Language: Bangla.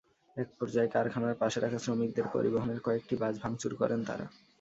একপর্যায়ে কারখানার পাশে রাখা শ্রমিকদের পরিবহনের কয়েকটি বাস ভাঙচুর করেন তাঁরা।